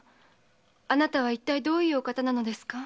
あなたはいったいどういうお方なのですか？